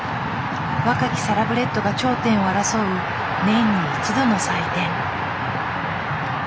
若きサラブレッドが頂点を争う年に一度の祭典。